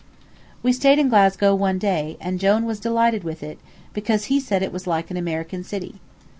We stayed in Glasgow one day, and Jone was delighted with it, because he said it was like an American city.